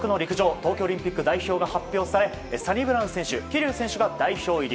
東京オリンピック代表が発表されサニブラウン選手、桐生選手が代表入り。